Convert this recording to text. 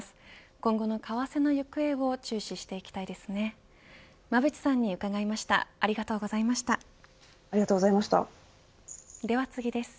今後の為替の行方を注視していきたいですね。